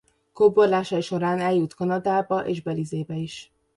Kóborlásai során eljut Kanadába és Belizébe is.